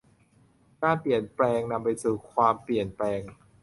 การเปลี่ยนแปลงนำไปสู่ความเปลี่ยนแปลง